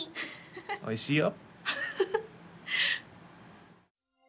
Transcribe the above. おいしいよ